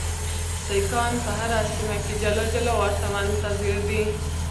سیکهان په هره سیمه کې جلا جلا ورته منتظر دي.